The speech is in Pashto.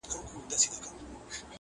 شمع هم د جهاني په غوږ کي وايي!.